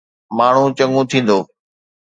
ماڻهو چڱو ٿيندو.